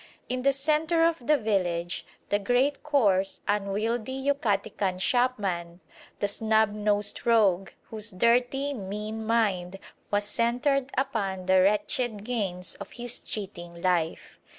In the centre of the village the great coarse, unwieldy Yucatecan shopman, the "snubnosed rogue" whose dirty, mean mind was centred upon the wretched gains of his cheating life.